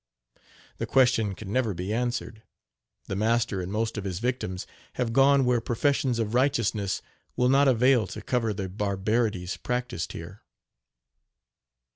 The question can never be answered. The master and most of his victims have gone where professions of righteousness will not avail to cover the barbarities practiced here.